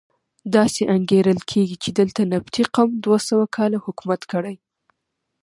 داسې انګېرل کېږي چې دلته نبطي قوم دوه سوه کاله حکومت کړی.